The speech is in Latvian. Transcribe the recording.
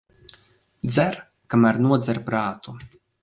Dzer, kamēr nodzer prātu.